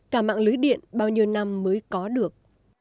cả mạng lưới điện bao nhiêu năm mới có được